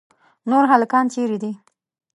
نور هلکان چیرې دي؟